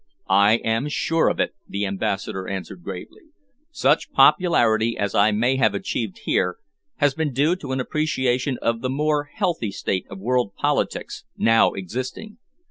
"I am sure of it," the Ambassador answered gravely. "Such popularity as I may have achieved here has been due to an appreciation of the more healthy state of world politics now existing.